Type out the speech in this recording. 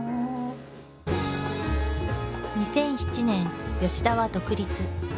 ２００７年田は独立。